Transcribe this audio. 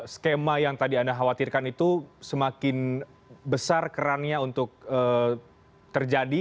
skema yang tadi anda khawatirkan itu semakin besar kerannya untuk terjadi